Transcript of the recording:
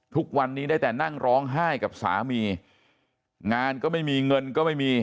ทุกวันนี้ได้แต่นั่งร้องไห้กับสามีงานก็ไม่มีเงินก็ไม่มี